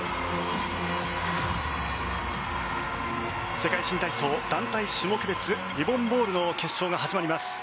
世界新体操、団体種目別リボン・ボールの決勝が始まります。